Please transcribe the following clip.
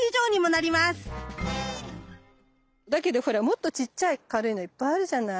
だけどほらもっとちっちゃい軽いのいっぱいあるじゃない。